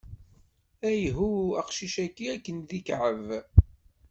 Ayhuh!... aqcic-ayi akken d ikɛeb!